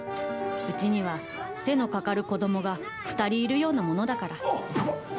うちには手のかかる子供が２人いるようなものだから。